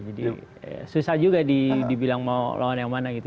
susah juga dibilang mau lawan yang mana gitu